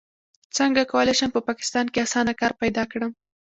څنګه کولی شم په پاکستان کې اسانه کار پیدا کړم